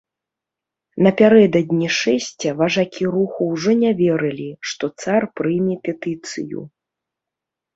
Напярэдадні шэсця важакі руху ўжо не верылі, што цар прыме петыцыю.